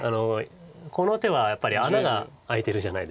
この手はやっぱり穴が開いてるじゃないですか。